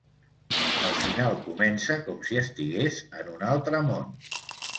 El final comença com si estigués en un altre món.